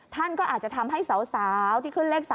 ท่านก็อาจจะทำให้สาวที่ขึ้นเลข๓